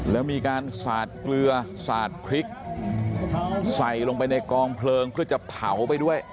แล้วมีการสาดเกลือสาดพริกใส่ลงไปในกองเพลิงเพื่อจะเผาไปด้วย